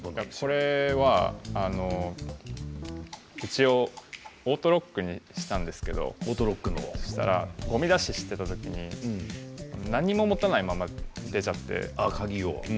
これはオートロックにしてたんですけどごみ出ししていた時に何も持たないまま出ちゃって鍵を。